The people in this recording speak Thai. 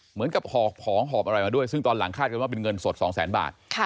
เหมือนกับหอบอะไรมาด้วยซึ่งตอนหลังคาดว่าเป็นเงินสด๒๐๐๐๐๐บาท